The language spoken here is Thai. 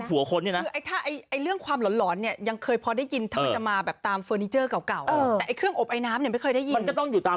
ไอเรื่องความหลอนยังเคยพอได้ยินสมัครจะมาแบบเฟอร์นิเจอร์เก่า